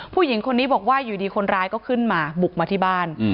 ผู้หญิงคนนี้บอกว่าอยู่ดีคนร้ายก็ขึ้นมาบุกมาที่บ้าน